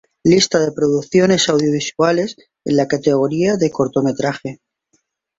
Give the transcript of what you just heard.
Lista de producciones Audiovisuales en la categoria Cortometraje.